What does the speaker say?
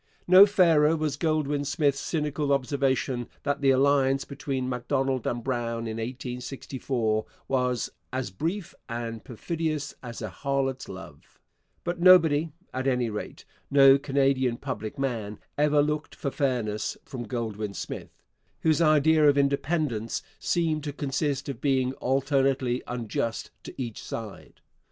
No fairer was Goldwin Smith's cynical observation that the alliance between Macdonald and Brown in 1864 was 'as brief and perfidious as a harlot's love'; but nobody at any rate, no Canadian public man ever looked for fairness from Goldwin Smith, whose idea of independence seemed to consist of being alternately unjust to each side.